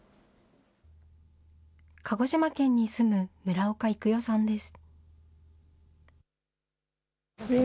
鹿児島県に住む村岡育世さんです。